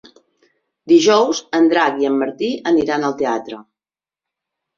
Dijous en Drac i en Martí aniran al teatre.